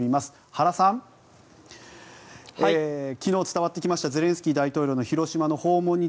原さん、昨日伝わってきましたゼレンスキー大統領の広島訪問。